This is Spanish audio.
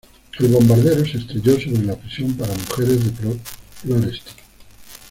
El bombardero se estrelló sobre la Prisión para Mujeres de Ploiești.